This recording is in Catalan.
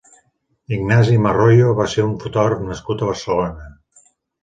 Ignasi Marroyo va ser un fotògraf nascut a Barcelona.